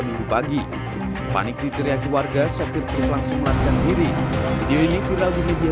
minggu pagi panik diteriaki warga sopir truk langsung melarikan diri video ini viral di media